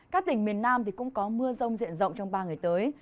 các tỉnh miền nam cũng có mưa rông diện rộng trong ba ngày tới